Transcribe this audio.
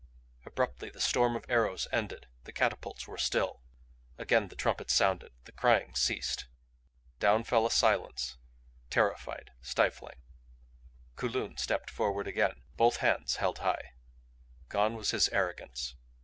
Abruptly the storm of arrows ended; the catapults were still. Again the trumpets sounded; the crying ceased. Down fell a silence, terrified, stifling. Kulun stepped forth again, both hands held high. Gone was his arrogance.